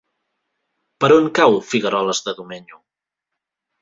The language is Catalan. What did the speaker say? Per on cau Figueroles de Domenyo?